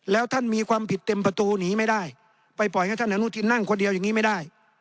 แล้วท่านมีความผิดเต็มประตูหนีไม่ได้ไปปล่อยให้ท่านอนุทินนั่งคนเดียวอย่างนี้ไม่ได้